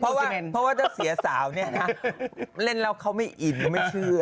เพราะว่าจะเพราะว่าถ้าเสียสาวเนี่ยนะเล่นแล้วเข้าไม่อิ่นไม่เชื่อ